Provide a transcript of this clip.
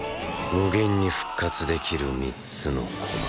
無限に復活できる３つの駒。